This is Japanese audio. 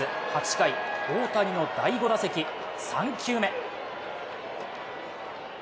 ８回、大谷の第５打席、３球目。